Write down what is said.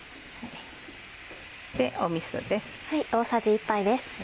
みそです。